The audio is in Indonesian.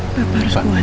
bapak harus kuat